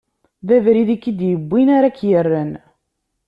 D abrid i k-id-iwwin ara k-irren.